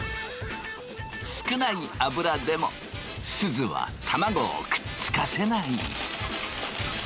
少ない油でもすずは卵をくっつかせない。